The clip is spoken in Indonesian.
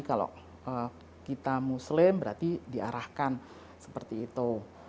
kalau kita muslim berarti diarahkan seperti itu